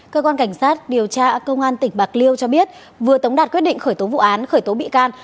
cơ quan cảnh sát điều tra công an tỉnh bạc liêu cho biết vừa tống đạt quyết định khởi tố vụ án khởi tố bị can